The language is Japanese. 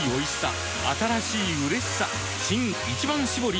新「一番搾り」